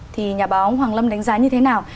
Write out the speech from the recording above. thì nhà báo hoàng lâm đánh giá như thế nào